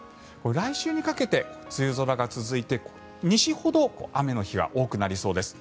来週にかけて梅雨空が続いて西ほど雨の日が多くなりそうです。